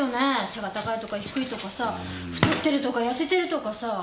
背が高いとか低いとかさぁ太ってるとか痩せてるとかさぁ。